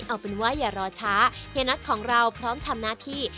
เอาเป็นว่าอย่ารอช้าเฮียนัทของเราพร้อมทำหน้าที่